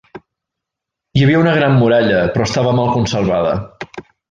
Hi havia una gran muralla però estava mal conservada.